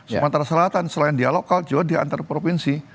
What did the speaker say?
sumatera selatan selain dia lokal jawa dia antar provinsi